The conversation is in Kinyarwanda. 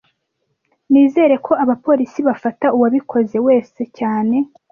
Nizere ko abapolisi bafata uwabikoze wese cyane